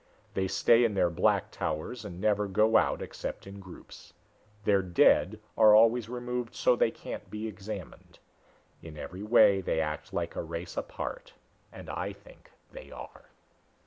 They stay in their black towers and never go out except in groups. Their dead are always removed so they can't be examined. In every way they act like a race apart and I think they are."